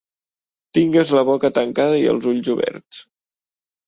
Tingues la boca tancada i els ulls oberts.